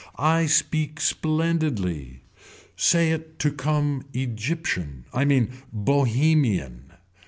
I speak splendidly. Say it to come Egyptian. I mean Bohemian.